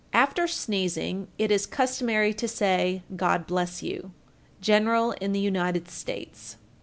After sneezing, it is customary to say, "God bless you." _General in the United States.